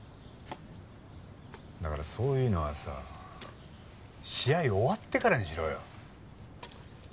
だからそういうのはさ試合終わってからにしろよ。